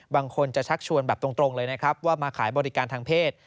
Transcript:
บางคนจะชักชวนแบบตรงเลยนะครับว่ามาขายบริการทางเพศ